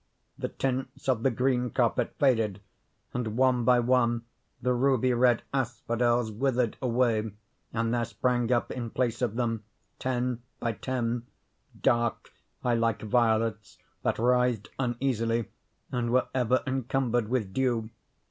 The tints of the green carpet faded; and, one by one, the ruby red asphodels withered away; and there sprang up, in place of them, ten by ten, dark, eye like violets, that writhed uneasily and were ever encumbered with dew.